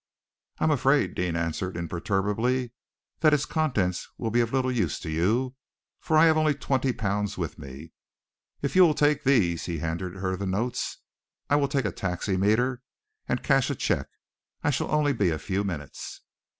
"I am afraid," Deane answered imperturbably, "that its contents will be of little use to you, for I have only twenty pounds with me. If you will take these" he handed her the notes "I will take a taximeter and cash a cheque. I shall only be a few minutes."